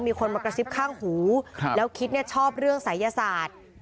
มีคนมากระซิบข้างหูแล้วคิดเนี่ยชอบเรื่องศัยศาสตร์